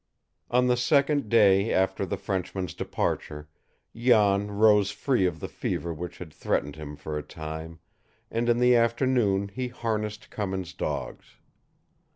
On the second day after the Frenchman's departure, Jan rose free of the fever which had threatened him for a time, and in the afternoon he harnessed Cummins' dogs.